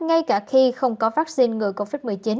ngay cả khi không có vaccine ngừa covid một mươi chín